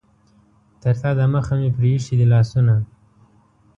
تر تا دمخه مې پرې ایښي دي لاسونه.